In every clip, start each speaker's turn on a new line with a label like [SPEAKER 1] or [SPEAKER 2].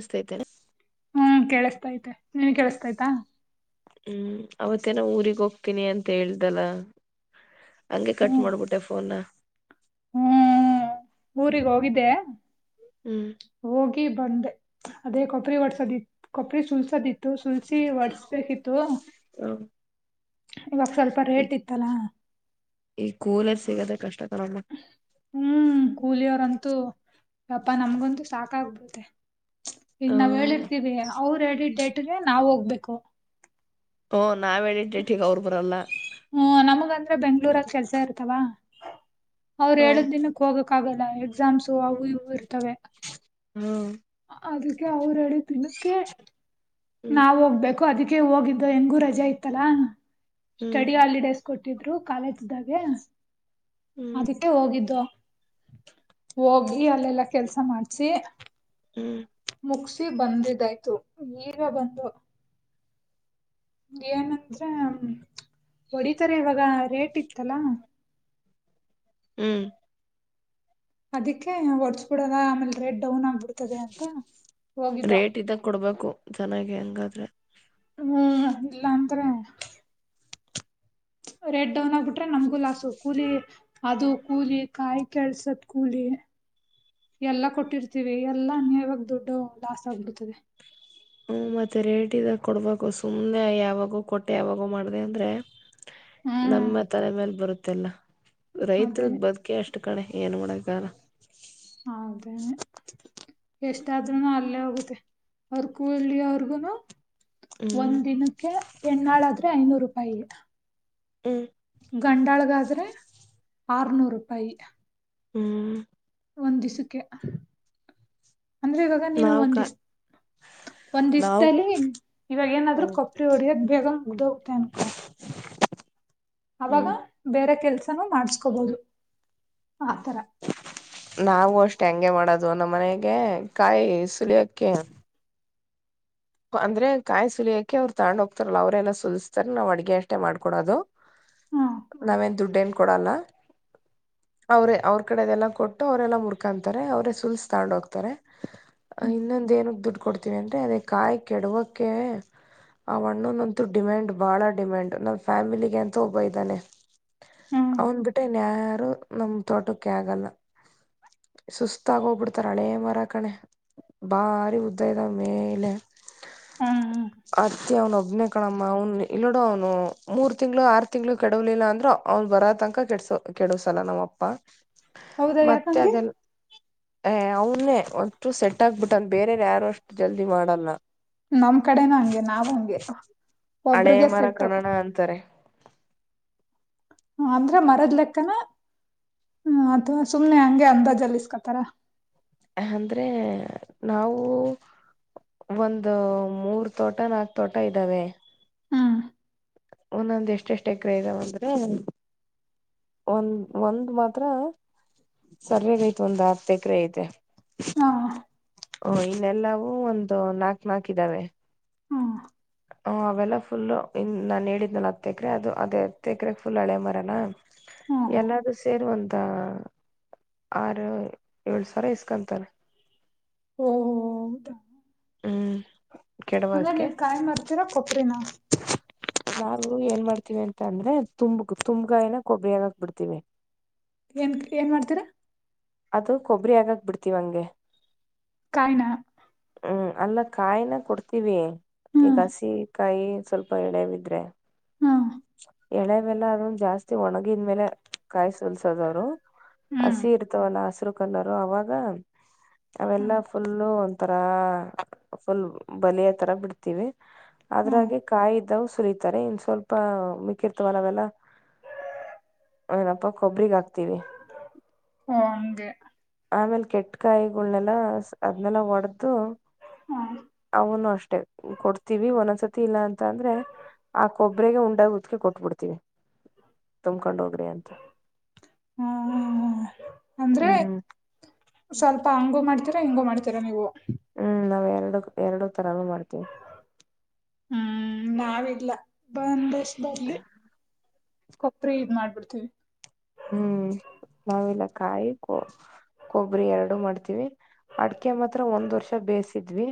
[SPEAKER 1] ಇಸ್ತ್ ಆಯಿತೇನೆ.
[SPEAKER 2] ಹ್ಮ್ ಕೇಳಿಸ್ತಾ ತೆ ನೀನ್ ಕೇಳಿಸತಾಯ್ತಾ.
[SPEAKER 1] ಹ್ಮ್ ಅವತ್ತೇ ಎನ ಊರಿಗೆ ಹೋಗ್ತೀನಿ ಅಂತ ಹೇಳ್ದಲ್ಲ. ಹಂಗೆ ಕಟ್ ಮಾಡ್ಬಿಟ್ಟೆ ಫೋನ್.
[SPEAKER 2] ಹ್ಮ ಊರಿಗೆ ಹೋಗಿದ್ದೆ.
[SPEAKER 1] ಹ್ಮ್.
[SPEAKER 2] ಹೋಗಿ ಬಂದೆ ಅದೇ ಕೊಬ್ರರಿ ಒಡ್ಸದಿ ಕೊಬ್ರಿ ಸುಲ್ಸದಿತ್ತು. ಇ ಸುಲ್ಸಿ ಹೊಡರ್ಸ್ಬೇಕಿತ್ತುಮ್. ಇವಾಗ ಸ್ವಲ್ಪ
[SPEAKER 1] ಈ
[SPEAKER 2] ರೇಟ್ ಇತ್ತಲಾ.
[SPEAKER 1] ಈ ಕೂಲರ್ ಸಿಗದ ಕಷ್ಟ ಆ.
[SPEAKER 2] ಹ್ಮ್ ಕೂಲಿಯವ್ರಂತೂ. ಅಪಾ ನಮ್ಗಂತೂ ಸಾಕ ಆಗಬಡತ್ತೆ. ಹಗ ನಾವ್ ಹೇಳಿರ್ತವಿ. ಅವ್ರು ಹೇಳಿದ ಡೇಟ್ಗೆ ನಾವ ಹೋಗ್ಬೇಕು.
[SPEAKER 1] ನ್. ನಾವ್ ಹೇಳಿದ್ದ ಡೆಟಿಗೆ ಅವ್ರು ಬರಲ್ಲ.
[SPEAKER 2] ಹ್ಮ ನಮಗಂದ್ರೆ ಬೆಂಗ್ಳೂರಲ್ಲಿ ಕೆಲಸ ಇರ್ತವಾ. ಅವ್ರ ಏದ
[SPEAKER 1] ಹ್ಮ್
[SPEAKER 2] ದಿನಕ್ಕೆ ಹೋಗ. ಕಕ್ಕಾಗಗಲ್ಲ ಎಕ್ಸಾಮ್ಸು ಅವು ಇವು ಇರ್ ತವೆ
[SPEAKER 1] ಹ್ಮ್
[SPEAKER 2] ಅದಕ್ಕೆ ಅವ್ರಡೆ ತಿನ್ನಕ್ಕೆ
[SPEAKER 1] ಹ್ಮ್
[SPEAKER 2] ನಾವ ಹೋಗ್ಬೇಕು ು ಅದಕ್ಕೆ ಹೋಗಿದ್ದು ಹೆಂಗು ರಜಾ ಇತ್ತಲ್ಲಾ
[SPEAKER 1] ಹ್ಮ್
[SPEAKER 2] ಸ್ಟಡಿ ಆಲಿ ಕೊಟ್ಟಿದ್ರು ಕಾಲೇಜ್ದಾಗೆ
[SPEAKER 1] ಹ್ಮ್
[SPEAKER 2] ಅದಕ್ಕೆ ಹೋಗಿದ್ದು ಹೋಗಿ ಅಲ್ಲೆಲ್ಲಾ ಕೆಲ್ಸ ಮಾಡ್ಸಿ
[SPEAKER 1] ಹ್ಮ್
[SPEAKER 2] ಮುಗಸಿ ಬಂದಿದ್ದಾಯ್ತು ಈಗ ಬಂದು ಏನಂದ್ರ ಹೊಡಿತಾರೆ ಇವಾಗ ರೇಟ್ ಇತ್ತಲ್ಲಾ
[SPEAKER 1] ಹ್ಮ್
[SPEAKER 2] ಅದಕ್ಕೆ ಒಡ್ಸ್ ಬಿಡದ ಆಮೇಲ್ೆಡ್
[SPEAKER 1] ರೇಟ್ ಇದಾಗ ಕೊಡ್ಬೇಕು ಚೆನ್ನಾಗಿ ಹೆಂಗಾದ್ರೆ
[SPEAKER 2] ಹ್ಮ್ ಇಲ್ಲಾಂತರ ರೇಡ್ ಡೌನ್ ಆಗ್ಬಿಟ್ರೆ ನಮ್ಗೂ ಲಾಸ್ ಕೂಲಿ ಅದು ಕೂಲಿ ಕಾಯಿ ಕೆಳ್ಸದ ಕೂಲಿ ಎಲ್ಲಾ ಕೊಟ್ಟಿರ್ತೀವಿ ಎಲ್ಲಾ ನೀವಾಗ ದೊಡ್ಡು ಲಾಸ್ ಆಗ್ಬಿಡ್ತದೆ
[SPEAKER 1] ಹ್ಮ ಮತ್ತೆ ರೇಟ್ ಇದಾಗ ಕೊಡ್ಬೇಕು ಸುಮ್ನೆ ಯಾವಾಗೂ ಕೊಟ್ಟೆ ಯಾವಾಗ ಮಾಡ್ದ ಅಂದ್ರೆ
[SPEAKER 2] ಹ್ಮ್
[SPEAKER 1] ನಮ್ಮ ತಲೆ ಮೇಲೆ ಬರುತ್ತೆ ಇದಲ
[SPEAKER 2] ಅದೇನೆ
[SPEAKER 1] ರೈತ್ರದ್ ಬದುಕೆ ಅಷ್ಟ ಇಷ್ಟ ಕಡೆ ಏನ್ ಮಾಡಗಾರ
[SPEAKER 2] ಹೌದು ಅ ಎಷ್ಟ ಆದಾದ ನಲ್ಲ ಅರ್ಕೂಲಿ ಅವರ್ಗುನು
[SPEAKER 1] ಹ್ಮ್
[SPEAKER 2] ಒಂದ್ ದಿನಕ್ಕೆ ಹೆಣ್ಣಾಳಾದ್ರೆ ಐನೂರುೂಾಯಿ ಪ
[SPEAKER 1] ಹ್ಮ
[SPEAKER 2] ಗಂಡಾಳ್ಗಾದ್ರೆ ಆರ್ನೂರು ರೂಪಾಯಿ
[SPEAKER 1] ಹ್ಮ್
[SPEAKER 2] ಒಂದ್ ದಿಸಕ್ಕೆ ಅಂದ್ರೆ ಇವಾಗ ನೀನು
[SPEAKER 1] ನಾವ್
[SPEAKER 2] ಒಂದ್
[SPEAKER 1] ಕ
[SPEAKER 2] ದಿಸ ಒಂದ್
[SPEAKER 1] ನಾವ್
[SPEAKER 2] ದ್ದಲ್ಲಿ ಇವಾಗ ಏನಾದ್ರು ಕೊಪ್ಪರಿ ಹೊಡಿದಾಗ ಬೇಗ ಉದ ತನ್ಕ ಅವಾಗ
[SPEAKER 1] ಹ್ಮ್
[SPEAKER 2] ಬೇರೆ ಕೆಲ್ಸ ಮಾಡಿಸಕೋಬಹುದು
[SPEAKER 1] ನಾವು ಅಷ್ಟ್ ಷ್ಟೇ ಅಂಗೆ ಮಾಡೋದು ನಮ್ಮನೆಗೆ ಕಾಯಿ ಸುಲಿಯಕ್ಕೆ ಅಂದ್ರೆ ಕಾಯಿ ಸುಲಿಯಕೆ ಅವ್ರು ತಗೊಂಡ್ ಹೋಗ್ತಾರಲ್ಲ ಅವ್ರೇ ಸುಲಸ್ತಾರೆ ನಾವ್ ಅಡ್ಗೆ ಅಷ್ಟೆ ಮಾಡ್ಕೊಡೋದು
[SPEAKER 2] ಹ್ಮ್
[SPEAKER 1] ನಾವೇನ್ ದುಡ್ ಏನ್ ಕೊಡಲ್ಲ ಅವ್ರೇ ಅವ್ರ್ ಕಡೆ ಅದೆಲ್ಲಾ ಕೊಟ್ಟು ಅವರೆಲ್ಲ ಮುರ್ ಕಂತಾರೆ ಅವ್ರೇ ಸುಲ್ಸ್ ತಗೊಂಡ್ ಹೋಗ್ತಾರೆ ಅ
[SPEAKER 2] ಹ್ಮ್
[SPEAKER 1] ಇನ್ನೊಂದ ಏನಕ್ ದುಡ್ಡು ಕೊಡ್ತೀವಿ ಅಂದ್ರೆ ಅದ ಕಾಯಿ ಕೆಡವಕ್ಕೆ ಆವಣ್ಣನಂತು ಡಿಮ್ಯಾಂಡ್ ಬಾಳ ಡಿಮ್ಯಾಂಡ್ ನಮ್ ಫ್ಯಾಮಿಲಿಗೆ ಅಂತ ಒಬ್ಬ ಇದ್ದಾನೆ ಅವನ್ ಬಿಟ್ರೆ ಇನ್ಯಾರು ನಮ್ ತೋಟಕ್ಕೆ ಆಗಲ್ಲ ಸುಸ್ತಾಗೊಗ್ಬಿಡ್ತಾರೆ ಹಳೆ ಮರ ಕಣೆ ಭಾರಿ ಉದ್ದ ಇದ್ದಾವೆ ಮೇಲೆ
[SPEAKER 2] ಹ್ಮ್ ಹ್ಮ್
[SPEAKER 1] ಆರ್ತಿ ಅವ್ನ್ ಒಬ್ನೇ ಕಣಮ್ಮ ಅವನ್ ಇಲ್ನೋಡು ಅವ್ನು ಮೂರ್ ತಿಂಗ್ಳು ಆರು ತಿಂಗ್ಳು ಕೆಡವ್ಲಿಲ್ಲ ಅಂದ್ರ ಅವ್ನ್ ಬರೋ ತನಕ ಕೆಡ್ಸ್ ಕೆಡವಸಲ್ಲ ನಮ್ಮಪ್ಪ
[SPEAKER 2] ಹೌದಾ
[SPEAKER 1] ಮತ್ತೆ
[SPEAKER 2] ಯಾಕಂಗೆ
[SPEAKER 1] ಅದೆಲ್ಲ ಏ ಅವ್ನ್ನೇ ಅಷ್ಟು ಸೆಟ್ ಆಗ್ಬಿಟ್ಟ ಬೇರೆವ್ರ್ ಯಾರು ಅಷ್ಟು ಜಲ್ದಿ ಮಾಡಲ್ಲ
[SPEAKER 2] ನಮ್ ಕಡೆನೂ ಹಂಗೆ ನಾವು ಹಂಗೆ
[SPEAKER 1] ಹಳೆ
[SPEAKER 2] ಒಬ್ರ್ಗೆ
[SPEAKER 1] ಮರ
[SPEAKER 2] ಸೆಟ್ಟು
[SPEAKER 1] ಕಣಣ ಅಂತಾರೆ
[SPEAKER 2] ಹ ಅಂದ್ರೆ ಮರದ್ ಲೆಕ್ಕನ ಹ ಅಥವಾ ಸುಮ್ನೆ ಹಂಗೆ ಅಂದಾಜಲ್ಲ ಇಸ್ಕೊಂತರ
[SPEAKER 1] ಅಂದ್ರೆ ನಾವು ಒಂದು ಮೂರ್ ತೋಟ ನಾಕ್ ತೋಟ ಇದ್ದಾವೆ
[SPEAKER 2] ಹ್ಮ್
[SPEAKER 1] ಒಂದೊಂದ್ ಎಷ್ಟ ಎಷ್ಟ್ ಎಕರೆ ಇದಾವಂದ್ರೆ ಒಂದ್ ಒಂದ್ ಮಾತ್ರ ಸರಯಾಗ್ ಐತೆ ಒಂದ್ ಹತ್ತ್ ಎಕರೆ ಐತೆ
[SPEAKER 2] ಹಾ
[SPEAKER 1] ಹು ಇನ್ನೆಲ್ಲವೂ ಒಂದು ನಾಕ್ ನಾಕ್ ಇದ್ದಾವೆ
[SPEAKER 2] ಹ್ಮ್
[SPEAKER 1] ಹ ಅವೆಲ್ಲ ಫುಲ್ಲು ಇನ್ ನಾನು ಹೇಳಿದ್ನಲ್ಲ ಹತ್ತು ಎಕರೆ ಅದು ಅದೇ ಹತ್ತು ಎಕರೆಗೆ ಫುಲ್ ಹಳೆ ಮರನಾ
[SPEAKER 2] ಹ್ಮ್
[SPEAKER 1] ಎಲ್ಲಾದೂ ಸೇರಿ ಒಂದ ಆರು ಯೋಲ್ ಸಾವಿರ ಇಸ್ಕಂತಾನೆ
[SPEAKER 2] ಓ ಹೋ ಹೌದ
[SPEAKER 1] ಹ್ಮ್
[SPEAKER 2] ಅಂದ್ರೆ
[SPEAKER 1] ಕೆಡವದಕ್ಕೆ
[SPEAKER 2] ನೀವ್ ಕಾಯಿ ಮಾ ತಿರಾ ಕೊಬ್ರಿನಾ
[SPEAKER 1] ನಾವು ಏನ್ ಮಾಡ್ತೀವಿ ಅಂತ ಅಂದ್ರೆ ತುಂಬ ತುಂಬ್ಗಾಯನ ಕೊಬ್ಬರಿ ಆಗಕ್ಕ್ ಬಿಡ್ತೀವಿ
[SPEAKER 2] ಏನ್ ಏನ್ ಮಾಡ್ತೀರ
[SPEAKER 1] ಅದು ಕೊಬ್ಬರಿ ಆಗಕ್ ಬಿಡ್ತಿವ್ ಹಂಗೆ
[SPEAKER 2] ಕಾಯ್ನ
[SPEAKER 1] ಹ್ಮ್ ಅಲ್ಲ ಕಾಯ್ನ ಕೊಡ್ತೀವೀ
[SPEAKER 2] ಹ್ಮ್
[SPEAKER 1] ಈಗ ಶಿ ಕಾಯಿ ಸ್ವಲ್ಪ ಎಳೆವಿದ್ರೆ
[SPEAKER 2] ಹ್ಮ್
[SPEAKER 1] ಎಳೆವೆಲ್ಲ ಅದೊಂದು ಜಾಸ್ ಒಣಗಿದ್ಮೇಲೆ ಕಾಯಿ ಸುಲ್ಸಾದವರು
[SPEAKER 2] ಹ್ಮ್
[SPEAKER 1] ಹಸಿ ಇರ್ ಹಸಿರು ಕಲರು ಅವಾಗ
[SPEAKER 2] ಹ್ಮ್
[SPEAKER 1] ಅವೆಲ್ಲಾ ಫುಲ್ಲು ಒಂಥರಾ ಫುಲ್ ಬಲಿಯ ತರ ಬಿಡ್ತೀವಿ
[SPEAKER 2] ಹ್ಮ್
[SPEAKER 1] ಅದ್ರಾಗೆ ಕಾಯ್ದವು ಸುರಿತಾರೆ ಇನ್ ಸ್ವಲ್ಪ ಮಿಕ್ಕಿರ್ತವಲ್ಲ ಅವೆಲ್ಲಾ ಏನಪ್ಪಾ ಕೊಬ್ರಿಗ್ ಹಾಕ್ತಿವಿ
[SPEAKER 2] ಓ ಹಂಗೆ
[SPEAKER 1] ಆಮೇಲ್ ಕೆಟ್ ಕಾಯಿಗೊಲ್ನೇಲ್ಲ ಅದ್ನೆಲ್ಲ ಒಡ
[SPEAKER 2] ಹ್ಮ
[SPEAKER 1] ಅವನು ಅಷ್ಟ ಕೊಡ್ತೀವಿ ಒಂದೊಂದ್ಸತಿ ಇಲ್ಲ ಅಂತ ಅಂದ್ರೆ ಆ ಕೊಬ್ರಿಗೆ ಉಂಡಾಗ ಉಕ್ಕಿ ಕೊಟ್ಬಿಡ್ತೀವಿ ತುಂಬಕೊಂಡ್ ಹೋಗ್ರಿ ಅಂತ
[SPEAKER 2] ಹ್ಮ ಹ್ಮ ಹಾ ಅಂದ್ರೆ
[SPEAKER 1] ಹ್ಮ್
[SPEAKER 2] ಸ್ವಲ್ಪ ಹಂಗು ಮಾಡ್ತ ಹಿಂಗೂ ಮಾಡ್ತೀರಾ ನೀವು
[SPEAKER 1] ಹ್ಮ್ ನಾವ್ ಎರಡ್ ಎರಡು ತರಾನು ಮಾಡ್ತೀವಿ
[SPEAKER 2] ಹ್ಮ್ ನಾವಿಲ್ಲ ಬಂದಷ್ಟ ಬರ್ಲಿ ಕೊಬ್ರಿ ಇದ್ ಮಾಡ್ಬಿಡ್ತೀವಿ
[SPEAKER 1] ಹ್ಮ್ ನಾವೆಲ್ಲ ಕಾಯಿ ಕೊ ಕೊಬ್ಬರಿ ಎರಡು ಮಾಡ್ತೀವಿ ಅಡಕೆ ಮಾತ್ರ ಒಂದ್ ವರ್ಷ ಬೇಯಸಿದ್ವಿ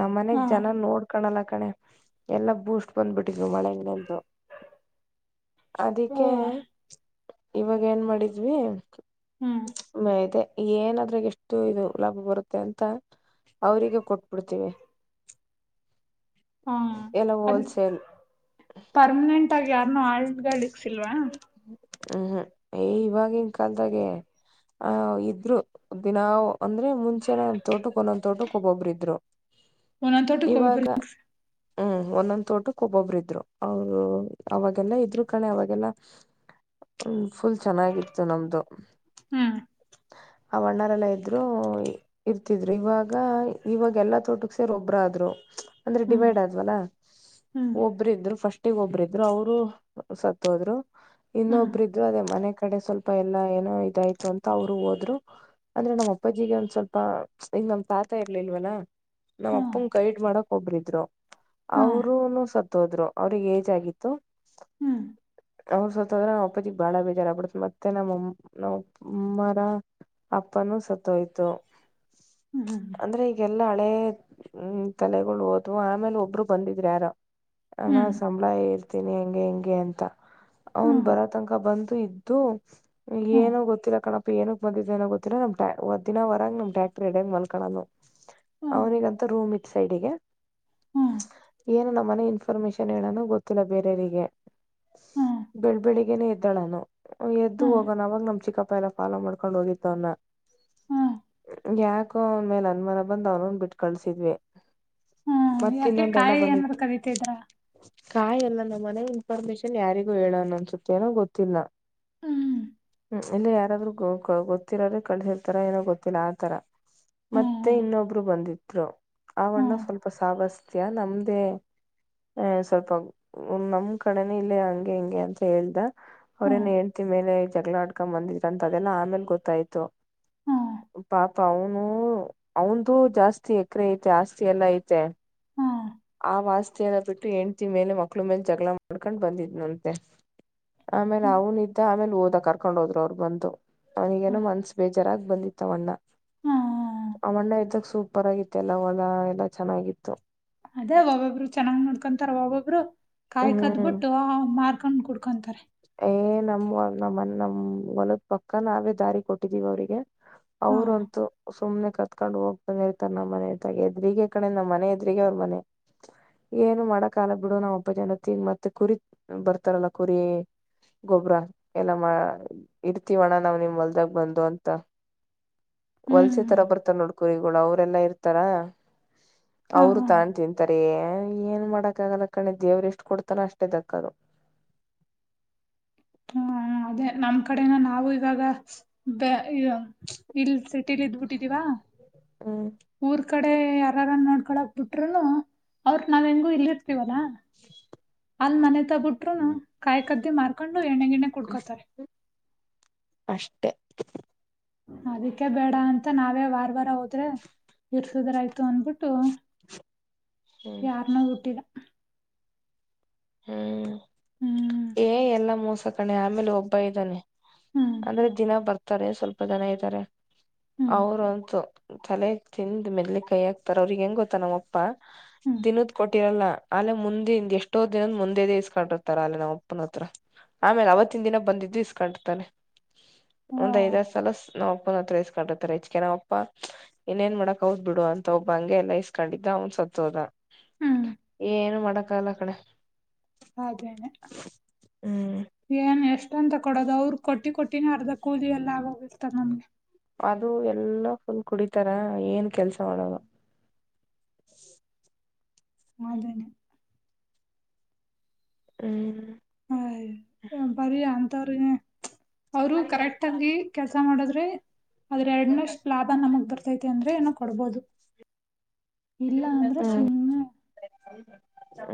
[SPEAKER 1] ನಮ್ಮನೆಗ್
[SPEAKER 2] ಹಾ
[SPEAKER 1] ಜನ ನೋಡ್ಕಣಲ್ಲ ಎಲ್ಲಾ ಬೂಸ್ಟ್ ಬಂದ್ಬಿಟ್ಟು [unintelligible]
[SPEAKER 2] ಓ
[SPEAKER 1] ಅದಕ್ಕೆ ಇವಾಗ ಏನ್ ಮಾಡಿದ್ವಿ.
[SPEAKER 2] ಹ್ಮ್
[SPEAKER 1] [unintelligible] ಏನಾದ್ರ ಎಷ್ಟು ಇದು ಲಾಭ ಬರುತ್ತೆ ಅಂತ ಅವ್ರಗ ಕೊಟ್ಬಿಡ್ತೀವಿ.
[SPEAKER 2] ಹಾ
[SPEAKER 1] ಎಲ್ಲ
[SPEAKER 2] ಅ
[SPEAKER 1] ಹೋಲ್ಸೇಲ್
[SPEAKER 2] ಪರ್ಮನೆಂಟ್ ಯಾರ್ನ್ನು ಆಳ್ಗಳ ಇಕ್ಸಿಲ್ವಾ.
[SPEAKER 1] ಹ್ಮ್ [unintelligible] ಹುಹು ಇವಾಗಿವಾಗಿನ ಕಾಲದಾಗೆ ಆ ಇದ್ರು ದ ನಾವು ಅಂದ್ರೆ ಮುಂಚೆನಂದ ತೋಟಕ್ ಒಂದೊಂದ್ ತೋಟಕ್ ಒಬ್ಬೊಬರು ಇದ್ರು.
[SPEAKER 2] ಒಂದ್ ಒಂದ್
[SPEAKER 1] ಇವಾಗ
[SPEAKER 2] ತೋಟಕ್ಕೆ [unintelligible]
[SPEAKER 1] ಹ್ಮ್ ಒಂದೊಂದ ತೋಟಕ್ ಒಬ್ಬೊಬ್ರ ಇದ್ರು ಅವರು ಅವಾಗೆಲ್ಲಾ ಇದ್ರು ಕಣೆ ಅವಾಗೆಲ್ಲ. ಹ್ಮ ಫುಲ್ ಚೆನ್ನಾಗಿತ್ತು ನಮ್ದು
[SPEAKER 2] ಹ್ಮ್
[SPEAKER 1] ಅವಾನ್ನವರೆಲ್ಲ ಇದ್ರು ಇರ್ತಿದ್ರು ಇವಾಗ ಇ ವಾಗ ಎಲ್ಲಾ ತೋಟಕ್ಕೆ ಸೇ ಒಬ್ರು ಆದ್ರು ಅಂದ್ರೆ
[SPEAKER 2] ಹ್ಮ್
[SPEAKER 1] ಡಿವೈಡ್ ಆದ್ವಲ್ಲ.
[SPEAKER 2] ಹ್ಮ್
[SPEAKER 1] ಒಬ್ಬ್ರ ಇದ್ರು ಫಸ್ಟ್. ಒಟ್ಟಿಗ ಒಬ್ಬ್ರ ಇದ್ರು ಅವರು ಸತ್ತ ಹೋದ್ರು.
[SPEAKER 2] ಹ್ಮ್
[SPEAKER 1] ಇನ್ನೊಬ್ರಿದ್ರು ಅದೇ ಮನೆ ಕಡೆ ಸ್ವಲ್ಪ ಎಲ್ಲಾ ಏನೋ ಇದಾಯ್ತು ಅಂತ ಅವರು ಹೋದ್ರು ಅಂದ್ರೆ ನಮ್ಮ್ ಅಪ್ಪಾಜಿಗೆ ಒಂದ್ ಸ್ವಲ್ಪ ಇ ನಮ್ ತಾತ ಇರ್ಲಿಲ್ವಲ್ಲಾ ನಮ್ಮ್
[SPEAKER 2] ಹ್ಮ್
[SPEAKER 1] ಅಪ್ಪಂಗ ಗೈಡ್ ಮಾಡಕ್ ಒಬ್ರಿದ್ರು
[SPEAKER 2] ಹ್ಮ್
[SPEAKER 1] ಅವರುೂನು ಸತ್ ಹೋದ್ರು ಅವ್ರಿಗೆ ಏಜ್ ಆಗಿತ್ತು.
[SPEAKER 2] ಹ್ಮ್
[SPEAKER 1] ಅವ್ರ ಸತ್ತದ್ರ ನಮ್ಮ್ ಅಪ್ಪಾಜಿಗೆ ಬಾಳ ಬೇಜಾರಾಗಗ್ಬಿಡತತ್ ಮತ್ತೆ ನಮ್ಮ ಅಮ್ಮ ಅವ್ರ ಅಪ್ಪನುೂ ಸ ಆಯ್ತು
[SPEAKER 2] ಹ್ಮ್ ಹ್ಮ್
[SPEAKER 1] ಅಂದ್ರೆ ಈಗೆಲ್ಲಾ ಹಳೆ ಹ್ಮ್ ತಲೆಗಳು ಹೋದ್ವು ಆಮೇಲೆ ಒಬ್ರು ಬಂದಿದ್ರ ಯಾರ ಹಣ
[SPEAKER 2] ಹ್ಮ್
[SPEAKER 1] ಸಂಬಳ ಇರ್ತೀನಿ ಹೆಂಗೆ ಹೆಂಗೆ ಅಂತ. ಅವನ್
[SPEAKER 2] ಹ್ಮ್ ಹ್ಮ್
[SPEAKER 1] ಬರ ತನಕ ಬಂದ ಇದ್ದು ಏನ
[SPEAKER 2] ಹ್ಮ್
[SPEAKER 1] ಗೊತ್ತಿಲ್ಲ ಕಣಪ್ಪ ಏನ ಬಂದಿದ್ದೆ ನೋ ಗೊತ್ತಿಲ್ಲ ನಮ್ ದಿನ ವರಗ ನಮ್ ಟ್ಯಾಕ್ಟ್ರಿ ಅಡಿಯಾಗಿ ಮಲ್ಕಣನು. ಅವನಿಗಂತ ರೂಮ್ ಇತ್ತು ಸೈಡಿಗೆ
[SPEAKER 2] ಹ್ಮ್
[SPEAKER 1] ಏನು ನಮ್ಮನೆ ಇನ್ಫಾರ್ಮೇಶನ್ ಹೇಳನ ಗೊತ್ತಿಲ್ಲ ಬೇರೆಯವರಿಗೆ
[SPEAKER 2] ಹ್ಮ್
[SPEAKER 1] ಬಿಡಬೇಡಿ ಇದ್ದಳ ನಾನು ಎದ್ದು
[SPEAKER 2] ಹ್ಮ್
[SPEAKER 1] ಹೋಗೋಣ ಅವಾಗ ನಮ್ ಚಿಕ್ಕಪ್ಪ ಪ ಎಲ್ಲ ಫಾಲೋ ಮಾಡ್ಕೊಂಡ್ ಹೋಗಿತೊ ಅವನ್ನ
[SPEAKER 2] ಹ್ಮ್
[SPEAKER 1] ಯಾಕೋ ಅವನ್ ಮೇಲೆ ಅನ್ಮನ ಬಂದ್ ಅವನನ್ ಬಿಟ್ ಕಳ್ಸಿದ್ವಿ
[SPEAKER 2] ಹ್ಮ
[SPEAKER 1] ಮತ್ತ
[SPEAKER 2] ಯಾಕೆ
[SPEAKER 1] ಇನ್ನೊಂದ್ ಅಣ್ಣ
[SPEAKER 2] ಕಾಯಿ ಏನ್
[SPEAKER 1] ಬಂದಿತ್ತು
[SPEAKER 2] ಕದಿತ ಇದ್ರ
[SPEAKER 1] ಕಾಯ ಎಲ್ಲ ನಮ್ಮ ಮನೆ ಇನ್ಫಾರ್ಮೇಶನ್ ಯಾರಿಗೂ ಹೇಳ ಅನ್ನನ್ಸುತ್ತೆ ಏನೋ ಗೊತ್ತಿಲ್ಲ್ಮ
[SPEAKER 2] ಹ್ಮ್
[SPEAKER 1] ಇಲ್ಲಿ ಯಾರಾದ್ರೂ ಗ ಗೊತ್ತಿರೋದ್ರೆ ಕಳಸಿರ್ತರ ಏನೋ ಗೊತ್ತಿಲ್ಲ ಆತರ
[SPEAKER 2] ಹ್ಮ್
[SPEAKER 1] ಮತ್ತೆ
[SPEAKER 2] ಹ್ಮ್
[SPEAKER 1] ಇನ್ನೊಬ್ರು ಬಂದಿದ್ರು ಅವನ್ನ
[SPEAKER 2] ಹ್ಮ್
[SPEAKER 1] ಸ್ವಲ್ಪ ಸಾವಸ್ನಮ್ದೇ ಸ್ವಲ್ಪ ನಮ್ ಕಡೆ ಇಲ್ಲೇ ಹಂಗೆ ಹಿಂಗೆ ಅಂತ ಹೇಳ್ದ
[SPEAKER 2] ಹ್ಮ್
[SPEAKER 1] ಅವ್ರೇನ್ ಹೆಂಡ್ತಿ ಮೇಲೆ ಜಗಳ ಆಡ್ಕೊ ಬಂದಿದ್ರ ಅಂತ ಅದೆಲ್ಲಾ ಆಮೇಲ್ ಗೊತ್ತಾಯ್ತು
[SPEAKER 2] ಹ್ಮ್
[SPEAKER 1] ಪಾಪ ಅವನು ಅವನದುು ಜಾಸ್ತಿ ಎಕರೆ ಐತೆ ಆಸ್ತಿ ಎಲ್ಲಾ ಐತೆ ಆ ವಸ್ತಿಯನ್ನ ಬಿಟ್ಟು ಹೆಂಡ್ತಿ ಮೇಲೆ ಮಕ್ಳು ಮೇಲೆ ಜಗಳ ಮಾಡ್ಕೊಂಡು ಬಂದಿದ್ನಂತೆ ಆಮೇಲೆ
[SPEAKER 2] ಹ್ಮ್
[SPEAKER 1] ಅವನ ಇದ್ದ ಆಮೇಲೆ ಹೋದಾಗ ಕರ್ಕೊಂಡ ಹೋದರು ಅವ್ರು ಬಂದು ಅವನಿಗೇನೋ
[SPEAKER 2] ಹ್ಮ್
[SPEAKER 1] ಮನ್ಸ ಬೇಜಾರಾಗ್ ಬಂದಿತ್ತು ತ್ವಾಣ್ಣ
[SPEAKER 2] ಹ್ಮ್
[SPEAKER 1] ಆ ಹಣ್ಣ ಇದ್ದಕ್ ಸೂಪರ್ ಆಗಿತ್ತು ಎಲ್ಲ ಹೊಲ ಎಲ್ಲ ಚೆನ್ನಾಗಿತ್ತು
[SPEAKER 2] ಅದೇ ಒಬ್ಬೊಬ್ರು ಚೆನ್ನಾಗ್ ನೋಡ್ಕೊಂತಾರ ಒಬ್ಬೊಬ್ರು ಕಾಯ
[SPEAKER 1] ಹ್ಮ್
[SPEAKER 2] ಕದ್ಬಿಟ್ಟು ಮಾರ್ ಕನ್ ಕುಡ್ಕೊಂತಾರೆ
[SPEAKER 1] ಏ ನಮ್ ನಮ್ಮ ನಮ್ ಹೊಲದ್ ಪಕ್ಕ ನಾವೇ ದಾರಿ ಕೊಟ್ಟಿದೀವ ಅವ್ರಿಗೆ
[SPEAKER 2] ಹಾ
[SPEAKER 1] ಅವರಂತು ಸುಮ್ನೆ ಕತ್ಕೊಂಡ್ ಹೋಗ್ ಬಂದ ಇರ್ತಾರ ನಮ್ಮ್ ಮನೆ ಎದ್ರಿಗೆ ಕಡೆ ನಮ್ಮ್ ಮನೆ ಎದ್ರಿಗೆ ಅವ್ರ ಮನೆ ಏನು ಮಾಡಕಾಲ ಬಿಡು ನಾವ್ ಒಬ್ಬ ಜನ ತಿನ್ ಮತ್ತೆ ಕುರಿ ಬರ್ತಾರಲ್ಲ ಕುರಿ ಗೊಬ್ರ ಎಲ್ಲ ಮಾ ಇರ್ತೀವಣ ನಾವ್ ನಿಮ್ ಹೊಲ್ದಾಗ ಬಂದು ಅಂತ
[SPEAKER 2] ಹ್ಮ್
[SPEAKER 1] ವಲ್ಸೆ ತರ ಬರ್ತಾರ ನೋಡ್ಕುರಿ ಅವರೆಲ್ಲಾ ಇರ್ತಾರ
[SPEAKER 2] ಹಾ
[SPEAKER 1] ಅವರು
[SPEAKER 2] ಹಾ
[SPEAKER 1] ತಾಣು ತಿಂತಾರ ಏನ್ ಮಾಡಕ್ಗಲ್ಲ ಕಣೆ ದೇವ್ರ ಎಷ್ಟ್ ಕೊಡ್ತಾನ ಅಷ್ಟ ಇದಕ್ಕದು
[SPEAKER 2] ಹಾ ಅದೇ ನಮ್ ಕಡೆನ ನಾವು ಇವಾಗ ಬ ಇಲ್ ಸಿಟಿಲಿ ಇದ್ಬಿಟ್ಟಿದ್ದೀವಾ
[SPEAKER 1] ಹ
[SPEAKER 2] ಕಡೆ ಯಾರಾರ ನೋಡ್ಕಳಕ್ ಬಿಟ್ರುನು ಅವ್ರ ನಾವ್ ಹೆಂಗು ಇಲ್ಲಿ ತೀವಲ್ಲ ಅಲ್ಲ ಮನೆತವ್ ಕಾಯಿ ಕದ್ದಿ ಮಾರ್ಕೊಂಡ ಎಣ್ಣೆ ಗಿಣ್ಣೆ ಕುಡ್ಕೋತಾರೆ
[SPEAKER 1] [inaudible]
[SPEAKER 2] ಅದಕ್ಕೆ ಬೇಡ ಅಂತ ನಾವೇ ವಾರ ವಾರ ಹೋದ್ರೆ ಇರ್ಸುದ್ರ ಆಯ್ತು ಅಂದಬಿಟ್ಟು
[SPEAKER 1] ಹ್ಮ್
[SPEAKER 2] ಯಾರ್ನ ಹುಟ್ಟಿಲ್ಲ
[SPEAKER 1] ಹ್ಮ್
[SPEAKER 2] ಹ್ಮ್
[SPEAKER 1] ಏ ಎಲ್ಲ ಮೋಸ ಸಾಕಣೆ ಆಮೇಲೆ ಒಬ್ಬ ಇದ್ದಾನೆ
[SPEAKER 2] ಹ್ಮ್
[SPEAKER 1] ಅಂದ್ರೆ ದಿನ ಬರ್ತ ತಾರೆ ಸ್ವಲ್ಪ ಜನ ಇದ್ದಾರೆ
[SPEAKER 2] ಹ್ಮ್
[SPEAKER 1] ಅವರಂತು ತಲೆ ತಿಿಂದ ಮೆದಳೀಗ್ ಕೈ ಹಾಕ್ತಾರ ಅವ್ರಿಗೆ ಹೆಂಗ ಗೊತ್ತ ನಮ್ಮಪ್ಪಾ
[SPEAKER 2] ಹ್ಮ್
[SPEAKER 1] ದಿನದ್ ಕೊಟ್ಟಿರಲ್ಲ ಅಲ್ಲ ಮುಂದೆಿಂದ ಎಷ್ಟೋ ದಿನದ ಮುಂದೆದ ಇಸ್ಕೊಂಡಿರ್ತಾರ ಅಲ್ಲ ನಮ್ಮ ಅಪ್ಪ ಅಪ್ಪನ ಹತ್ರ ಆಮೇಲೆ ಅವತ್ತಿನ ದಿನ ಬಂದಿದ್ದು ಇಸ್ಕೊಂಡರ್ತಾನ
[SPEAKER 2] ಆ
[SPEAKER 1] ಒಂದ್ ಐದ್ರ್ ಸಲ ನಾವ್ ಅಪ್ಪನ ಹತ್ರ ಇಸ್ಕೊಂಡಿರ್ತಾರೆ ಹೆಚ್ಕ ನಾವ್ಪ್ಪ ಇನ್ೇನ್ ಮಾಡಕ್ ಹದ್ ಬಿಡು ಅಂತ ಒಬ್ಬ ಹಂಗೆ ಎಲ್ಲಾ ಇಸ್ಕೊಂಡಿದ್ದ ಅವನ್ ಸತ್ತೋದ
[SPEAKER 2] ಹ್ಮ
[SPEAKER 1] ಏನು ಮಾಡಕ್ಕಾಗಲ್ಲ ಕನೆ ಹ್ಮ್
[SPEAKER 2] [unintelligible] [unintelligible] ಅಂತ ಕೊಡದ ಅವ್ರು ಕೊಟ್ಟಿ ಕೊಟ್ಟ ದಿನ ಅರ್ಧ ಕೂಲಿಿ ಎಲ್ಲ ಆಗ ಹೋಗಿರ್ತ ನಮ್ಗೆ
[SPEAKER 1] ಅದು ಎಲ್ಲಾ ಫುಲ್ ಕುಡಿತಾರ ಏನ್ ಕೆಲ್ಸ ಮಾಡೋದ್
[SPEAKER 2] ಮದನೆ
[SPEAKER 1] ಹ್ಮ್
[SPEAKER 2] ಹ್ ಬರಿ ತನ [inaudible] ಅವರು ಕರೆಕ್ಟ್ ಆಂಗಿ ಕೆ ಕೆಲಸ ಮಾಡದ್ರೆ ಆದದ್ರೆರಡ್ನಷ್ಟು ಲಾಭ ನಮಗ್ ಬರ್ತೈತಿ ಅಂದ್ರೆ ಏನೋ ಕೊಡ್ಬೋದು ಇಲ್ಲಾಂದ್ರೆ
[SPEAKER 1] ಹ್ಮ್
[SPEAKER 2] ಸುಮ್ನೆ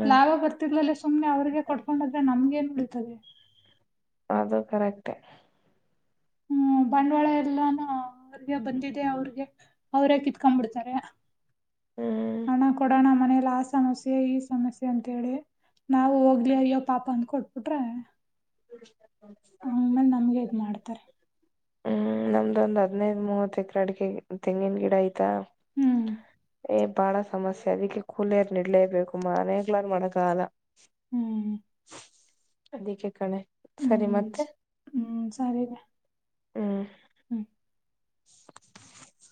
[SPEAKER 1] ಹ್ಮ್
[SPEAKER 2] ಲಾಭ ಬರ್ತಿಗಳೇ ಸುಮ್ನೆ ಅವ್ರಿಗೆ ಕೊಡ್ಕೊಂಡಾದ್ರೆ ನಮ್ಗೆ ಏನ್ ಬಿಡದೆ
[SPEAKER 1] ಅದು ಕರೆಕ್ಟೇ
[SPEAKER 2] ಹ್ಮ್ ಬಂಡವಾಳ ಎಲ್ಲಾನ ಅವ್ರಗೆ ಬಂದಿದೆ ಅವ್ರಿಗೆ ಅವ್ರೇ ಕಿತ್ಕೊಂಬಿಡ್ತಾರೆ
[SPEAKER 1] ಹ್ಮ್
[SPEAKER 2] ಹಣ ಕೊಡೋಣ ಮನೇಲಿ ಆ ಸಮಸ್ಯೆ ಈ ಸಮಸ್ಯೆ ಅಂತೇಳಿ ನಾವು ಹೋಗ್ಲಿ ಅಯ್ಯೋ ಪಾಪ ಅಂದ ಕೊಟ್ಬಿಟ್ರೆ.
[SPEAKER 1] ಹ
[SPEAKER 2] ಆಮೇಲೆ ನಮ್ಗೆ ಇದ ಮಾಡ್ತಾರೆ [unintelligible]
[SPEAKER 1] ಹ್ಮ್ ನಮ್ದ ಒಂದ್ ಹೆಡ್ನೈಡು ಮೂವತ್ ಎಕ್ರ ಅಡಿಕ ತೆಂಗಿನ ಗಿಡ ಆಯ್ತಾ
[SPEAKER 2] ಹ್ಮ್
[SPEAKER 1] ಏ ಬಾಳ ಸಮಸ್ಯೆ ಅದಕ್ಕೆ ಕೂಲಿಯರ್ ನಿಡ್ಲೇಬೇಕುಮ್ಮ ಮನೆಗ್ಗಳಾರ ಮಾಡಕಲ್ಲ
[SPEAKER 2] ಹ್ಮ್
[SPEAKER 1] ಅದಿಕ್ಕೆ ಕಣೆ ಸರಿ
[SPEAKER 2] ಹ್ಮ್
[SPEAKER 1] ಮತ್ತೆ
[SPEAKER 2] ಹ್ಮ್ ಸರಿ ರ
[SPEAKER 1] ಹ್ಮ್
[SPEAKER 2] ಹ್ಮ್
[SPEAKER 1] [unintelligible]